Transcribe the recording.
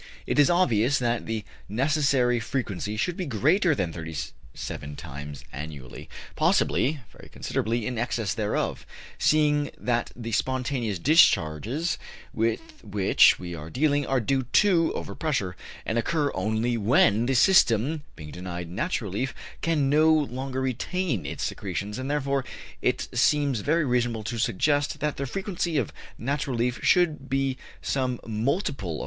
It is obvious that the necessary frequency should be greater than 37 times annually, possibly very considerably in excess thereof, seeing that the spontaneous discharges, with which we are dealing, are due to over pressure, and occur only when the system, being denied natural relief, can no longer retain its secretions; and, therefore, it seems very reasonable to suggest that the frequency of natural relief should be some multiple of 37.